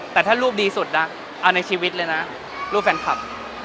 แต่ถ้ารูปดีสุดนะเอาในชีวิตเลยนะรูปแฟนคลับ